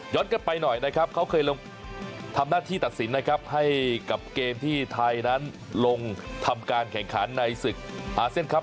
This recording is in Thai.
กันไปหน่อยนะครับเขาเคยลงทำหน้าที่ตัดสินนะครับให้กับเกมที่ไทยนั้นลงทำการแข่งขันในศึกอาเซียนครับ